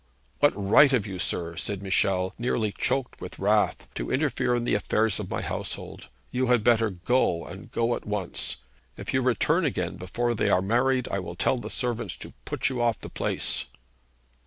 'What right have you, sir,' said Michel, nearly choked with wrath, 'to interfere in the affairs of my household? You had better go, and go at once. If you return again before they are married, I will tell the servants to put you off the place!'